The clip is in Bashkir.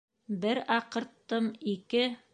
Бер аҡырттым, ике...